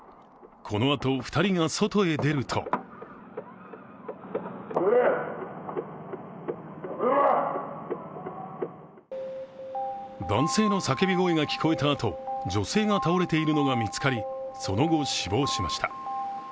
このあと、２人が外へ出ると男性の叫び声が聞こえたあと女性が倒れているのが見つかりその後、死亡しました。